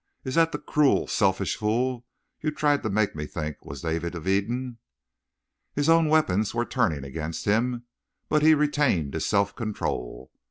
Is that the cruel, selfish fool you tried to make me think was David of Eden?" His own weapons were turning against him, but he retained his self control.